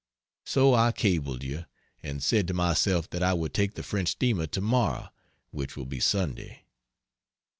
So I cabled you, and said to myself that I would take the French steamer tomorrow (which will be Sunday).